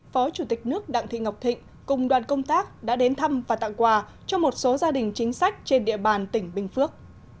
phó chủ tịch nước đặng thị ngọc thịnh cùng đoàn công tác đã đến thăm và tặng quà cho một số gia đình chính sách trên địa bàn tỉnh bình phước